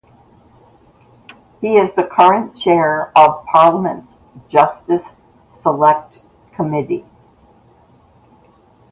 He is the current Chair of Parliament's Justice Select Committee.